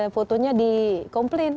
fotonya di komplain